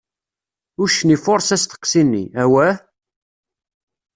Uccen ifuṛes asteqsi-nni: Awah!